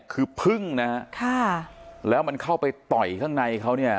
คือพึ่งนะฮะค่ะแล้วมันเข้าไปต่อยข้างในเขาเนี่ย